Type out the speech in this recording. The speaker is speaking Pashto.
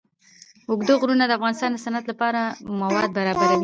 اوږده غرونه د افغانستان د صنعت لپاره مواد برابروي.